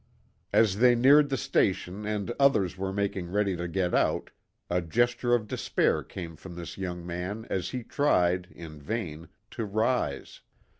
As they neared the station and others were making ready to get out, a gesture of despair came from this young man as he tried, in vain, to rise.